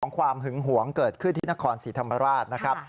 ความหึงหวงเกิดขึ้นที่นครศรีธรรมราชนะครับ